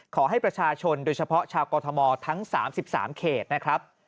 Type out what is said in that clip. ขอให้ประชาชนโดยเฉพาะชาวกรทมทั้ง๓๓เขตนะครับ